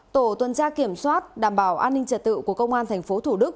tổ tuần tra kiểm soát đảm bảo an ninh trật tự của công an tp thủ đức